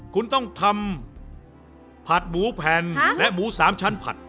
คุณต้องทำผัดหมูแผ่นและหมู๓ชั้นผัด